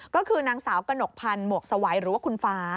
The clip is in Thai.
ก็คือนางสาวกระหนกพันธ์หมวกสวัยหรือว่าคุณฟ้า